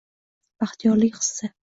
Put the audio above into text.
Baxtiyorlik hissi